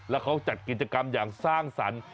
แล้วเขาจัดกิจกรรมอย่างสร้างสรรค์